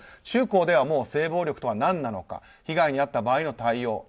中高では性暴力が何なのか被害に遭った場合の対応。